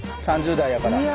３０代やから。